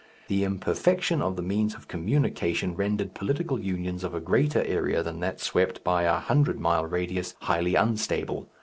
The imperfection of the means of communication rendered political unions of a greater area than that swept by a hundred mile radius highly unstable.